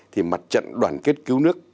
thì mặt trận đoàn kết cứu nước